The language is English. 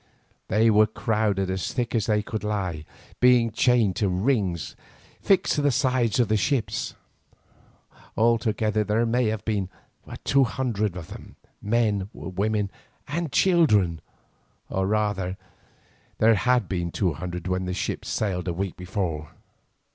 They were crowded as thick as they could lie, being chained to rings fixed in the sides of the ship. Altogether there may have been two hundred of them, men, women and children, or rather there had been two hundred when the ship sailed a week before.